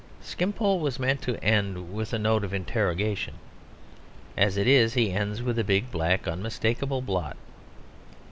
Skimpole was meant to end with a note of interrogation. As it is, he ends with a big, black, unmistakable blot.